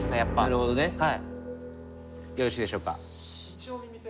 よろしいでしょうか？